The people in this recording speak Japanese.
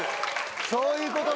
そういうことか。